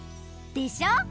でしょ？